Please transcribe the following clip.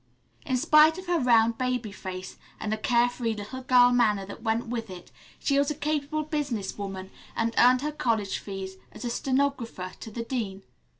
In spite of her round baby face, and a carefree, little girl manner that went with it, she was a capable business woman and earned her college fees as stenographer to the dean.